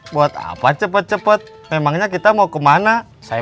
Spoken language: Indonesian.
buat apa cepet cepet memangnya kayaknya gak ada yang mikir